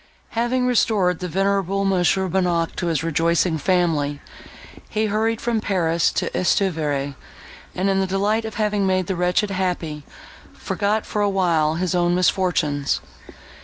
Having restored the venerable Mons. Bonnac to his rejoicing family, he hurried from Paris to Estuvière; and, in the delight of having made the wretched happy, forgot, for a while, his own misfortunes.